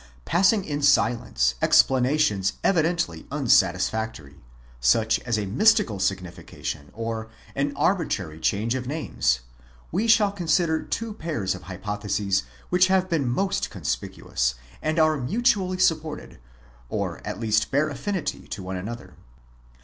Passing in silence explanations evidently unsatisfactory, such as a mystical signification, 5 or an arbitrary change of names,' we shall consider two pairs of hypotheses which have been most conspicuous, and are mutually supported, or at least bear affinity to one another.